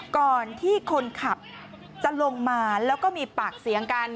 ก่อนที่คนขับจะลงมาแล้วก็มีปากเสียงกัน